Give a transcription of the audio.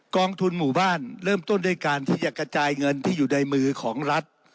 องทุนหมู่บ้านเริ่มต้นด้วยการที่จะกระจายเงินที่อยู่ในมือของรัฐ